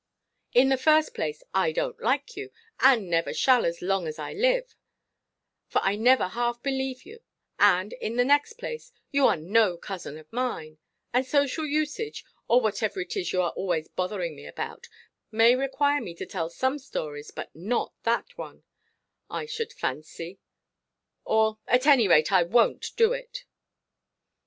In the first place, I donʼt like you, and never shall as long as I live; for I never half believe you: and, in the next place, you are no cousin of mine; and social usage (or whatever it is you are always bothering me about) may require me to tell some stories, but not that one, I should fancy. Or, at any rate, I wonʼt do it."